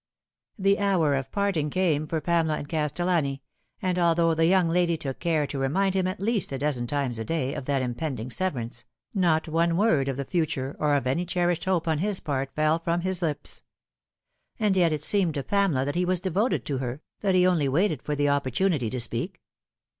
The hour of parting came for Pamela and Castellani, and although the young lady took care to remind him at least a dozen times a day of that impending severance, not one word of the future, or of any cherished hope on his part, fell from his lips. And yet it had seemed to Pamela that he was devoted to her, that he only waited for the opportunity to speak.